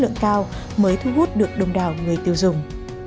lượng cao mới thu hút được đông đảo người tiêu dùng